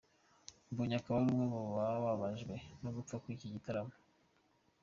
Mbonyi akaba ari umwe mu bababajwe no gupfa kw'iki gitaramo.